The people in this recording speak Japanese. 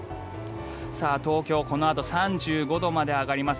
東京、このあと３５度まで上がります。